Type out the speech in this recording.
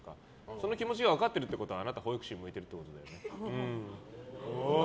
その気持ちが分かってるってことはあなた、保育士に向いてるってことですよ。